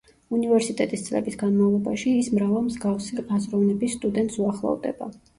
უნივერსიტეტის წლების განმავლობაში ის მრავალ მსგავსი აზროვნების სტუდენტს უახლოვდება.